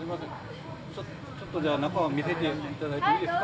ちょっと中見せていただいていいですか。